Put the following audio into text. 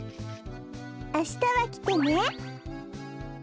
あしたはきてね。